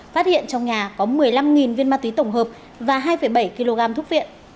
phát hiện trong nhà có một mươi năm viên ma túy tổng hợp và hai bảy kg thuốc viện